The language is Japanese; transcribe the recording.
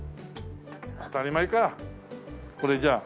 当たり前かこれじゃあ。